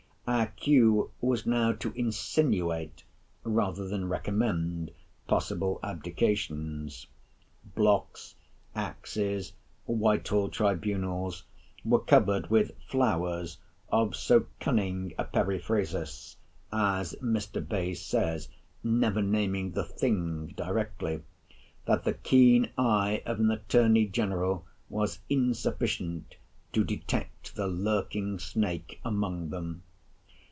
Our cue was now to insinuate, rather than recommend, possible abdications. Blocks, axes, Whitehall tribunals, were covered with flowers of so cunning a periphrasis—as Mr. Bayes says, never naming the thing directly—that the keen eye of an Attorney General was insufficient to detect the lurking snake among them.